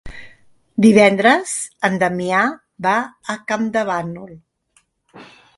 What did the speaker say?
Divendres en Damià va a Campdevànol.